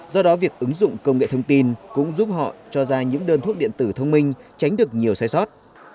do đó việc ứng dụng công nghệ thông tin cũng giúp họ cho ra những đơn thuốc điện tử thông minh tránh được nhiều sai sót